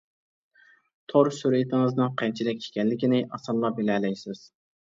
تور سۈرىتىڭىزنىڭ قانچىلىك ئىكەنلىكىنى ئاسانلا بىلەلەيسىز.